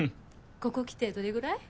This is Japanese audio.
ここ来てどれぐらい？